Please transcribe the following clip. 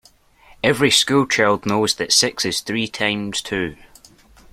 Every school child knows that six is three times two